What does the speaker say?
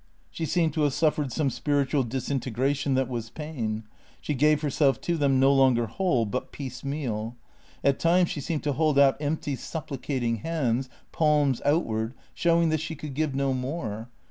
She seemed to have suifered some spiritual disintegration that was pain. She gave herself to them no longer whole, but piecemeal. At times she seemed to THE C R E A T 0 R S 341 hold out empty, supplicating hands, palms outward, showing that she could give no more.